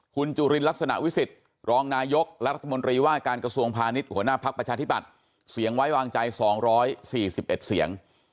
คุณจุลินลักษณะวิสิทธิ์รองนายกและรัฐมนตรีว่าการกระทรวงพาณิชย์หัวหน้าภักดิ์ประชาธิบัติเสียงไว้วางใจ๒๔๑เสียง